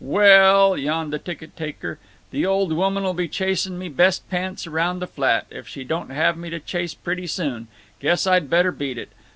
"Well l l," yawned the ticket taker, "the old woman'll be chasing me best pants around the flat, if she don't have me to chase, pretty soon. Guess I'd better beat it.